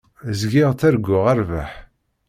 Zgiɣ ttarguɣ rrbeḥ.